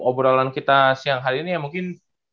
obrolan kita siang hari ini ya mungkin